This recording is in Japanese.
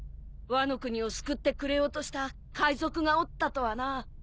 ワノ国を救ってくれようとした海賊がおったとはな。